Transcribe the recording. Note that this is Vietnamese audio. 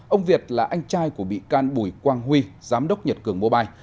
ông việt là anh trai của bị can bùi quang huy giám đốc nhật cường mobile